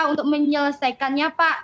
untuk menyelesaikannya pak